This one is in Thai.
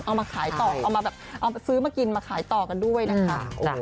เอามาขายต่อเอามาแบบเอาซื้อมากินมาขายต่อกันด้วยนะคะ